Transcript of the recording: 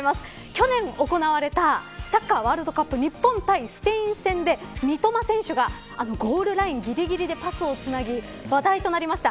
去年行われたサッカーワールドカップ日本対スペイン戦で三笘選手がゴールラインぎりぎりでパスをつなぎ話題となりました